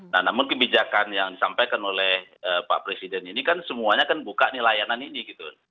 nah namun kebijakan yang disampaikan oleh pak presiden ini kan semuanya kan buka nih layanan ini gitu